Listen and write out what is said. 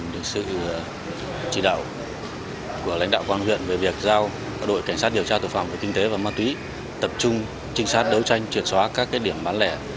được sự chỉ đạo của lãnh đạo quang huyện về việc giao đội cảnh sát điều tra tội phạm về kinh tế và ma túy tập trung trinh sát đấu tranh triệt xóa các điểm bán lẻ